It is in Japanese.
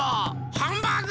ハンバーグ！